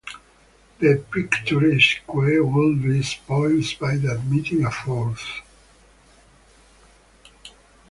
The picturesque would be spoilt by admitting a fourth.